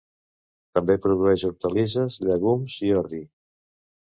També produeix hortalisses, llegums i ordi.